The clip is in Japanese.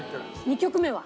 ２曲目は？